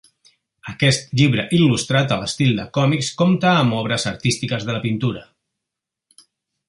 Aquest llibre il·lustrat a l'estil dels còmics compta amb obres artístiques de la pintura.